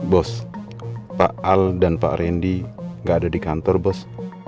bos pak al dan pak randy nggak ada di kantor bos